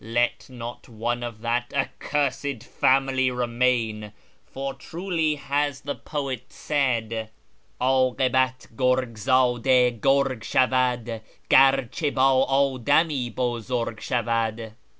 Let not one of that accursed family remain, for truly has the poet said — '^Akibat gurg zdde gurg shavad, Garche bd ddami buzurg shavad.'